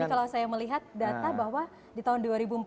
kalau saya melihat data bahwa di tahun dua ribu empat belas